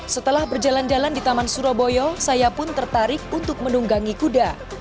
setelah berjalan jalan di taman suro boyo saya pun tertarik untuk mendunggangi kuda